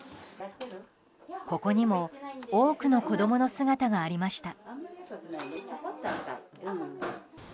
ここにも多くの子供の姿がありました。